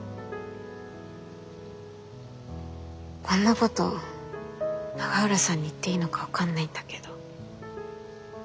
こんなこと永浦さんに言っていいのか分かんないんだけど。